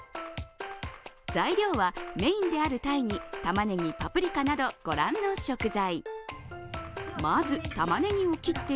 材料は、メインである、たいに玉ねぎ、パプリカなど、御覧の食材。